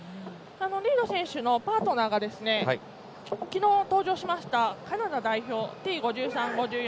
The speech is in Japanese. リード選手のパートナーが昨日登場しましたＴ５３、Ｔ５４